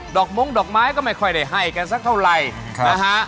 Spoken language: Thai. มงดอกไม้ก็ไม่ค่อยได้ให้กันสักเท่าไหร่นะฮะ